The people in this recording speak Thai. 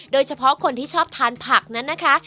โดยเฉพาะคนที่ชอบทานผักนั้นนะคะ